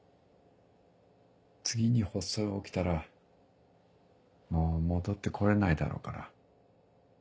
次に発作が起きたらもう戻って来れないだろうから。